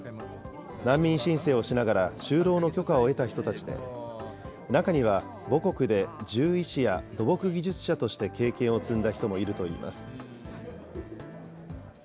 難民申請をしながら就労の許可を得た人たちで、中には母国で獣医師や土木技術者として経験を積んだ人もいるといいます。